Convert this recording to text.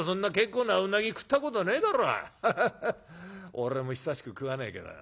俺も久しく食わねえけどよ。